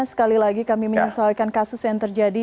sekali lagi kami menyesuaikan kasus yang terjadi